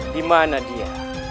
di mana dia